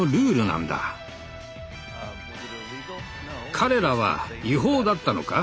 彼らは違法だったのか？